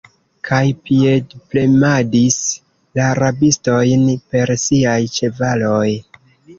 kaj piedpremadis la rabistojn per siaj ĉevaloj.